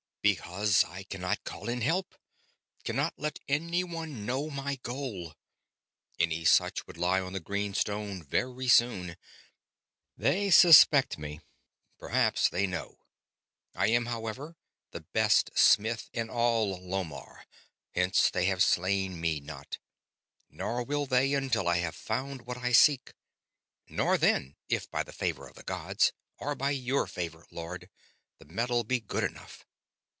"Because I cannot call in help; cannot let anyone know my goal. Any such would lie on the green stone very soon. They suspect me; perhaps they know. I am, however, the best smith in all Lomarr, hence they have slain me not. Nor will they, until I have found what I seek. Nor then, if by the favor of the gods or by your favor, Lord the metal be good enough."